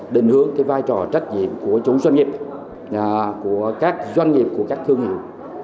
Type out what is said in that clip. định hướng vai trò trách nhiệm của chủ doanh nghiệp của các doanh nghiệp của các thương hiệu